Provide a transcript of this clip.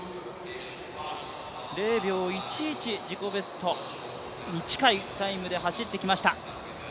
０秒１１、自己ベストに近いタイムで走ってきました。